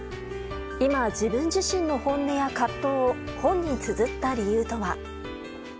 今、自分自身の本音や葛藤を本につづった理由とは。